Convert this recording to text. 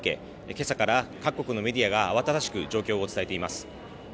今朝から各国のメディアが慌ただしく状況を伝えています